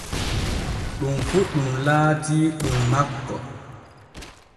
Ɗum fu ɗum laatii ɗum makko.